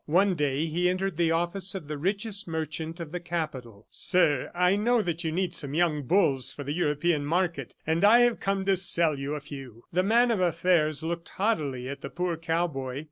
One day he entered the office of the richest merchant of the capital. "Sir, I know that you need some young bulls for the European market, and I have come to sell you a few." The man of affairs looked haughtily at the poor cowboy.